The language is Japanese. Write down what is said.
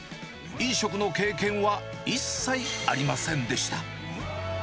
飲食の経験は一切ありませんでした。